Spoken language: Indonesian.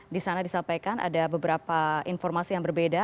di sana disampaikan ada beberapa informasi yang berbeda